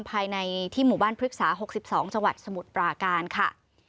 ภายในที่หมู่บ้านพฤกษา๖๒จังหวัดสมุทรปราการค่ะ